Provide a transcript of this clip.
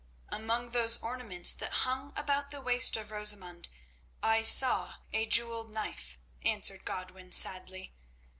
"Among those ornaments that hung about the waist of Rosamund I saw a jewelled knife," answered Godwin, sadly.